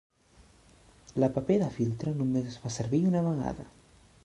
La paper de filtre només es fa servir una vegada.